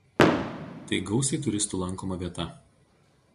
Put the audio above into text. Tai gausiai turistų lankoma vieta.